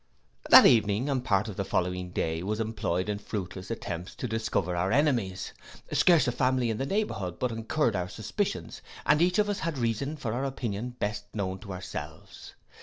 That evening and a part of the following day was employed in fruitless attempts to discover our enemies: scarce a family in the neighbourhood but incurred our suspicions, and each of us had reasons for our opinion best known to ourselves.